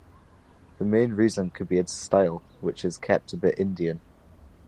The main reason could be his style which is kept a bit "Indian".